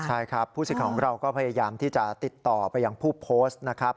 ใช่ครับผู้สิทธิ์ของเราก็พยายามที่จะติดต่อไปยังผู้โพสต์นะครับ